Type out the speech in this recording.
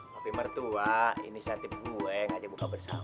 tapi mertua ini si hati gue ngajak buka bersama